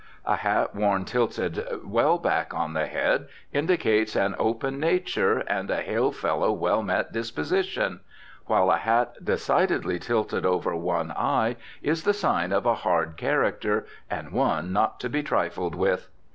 A hat worn tilted well back on the head indicates an open nature and a hail fellow well met disposition; while a hat decidedly tilted over one eye is the sign of a hard character, and one not to be trifled with.